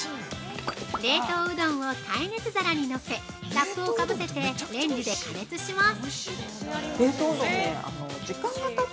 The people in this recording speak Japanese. ◆冷凍うどんを耐熱皿にのせ、ラップを被せてレンジで加熱します！